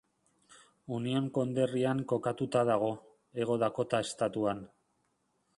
Union konderrian kokatuta dago, Hego Dakota estatuan.